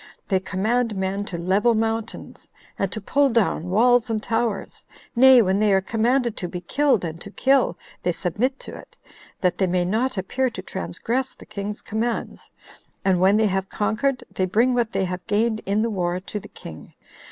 They command men to level mountains, and to pull down walls and towers; nay, when they are commanded to be killed and to kill, they submit to it, that they may not appear to transgress the king's commands; and when they have conquered, they bring what they have gained in the war to the king.